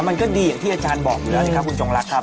มันก็ดีอย่างที่อาจารย์บอกอยู่แล้วสิครับคุณจงรักครับ